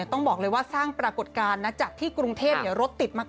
ต้องบอกเลยว่าสร้างปรากฏการณ์นะจากที่กรุงเทพรถติดมาก